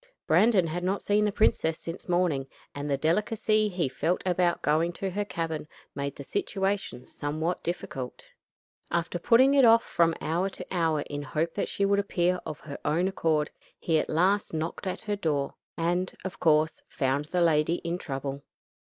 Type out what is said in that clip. Brandon had not seen the princess since morning, and the delicacy he felt about going to her cabin made the situation somewhat difficult. After putting it off from hour to hour in hope that she would appear of her own accord, he at last knocked at her door, and, of course, found the lady in trouble.